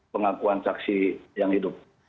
pengakuan caksi yang hidup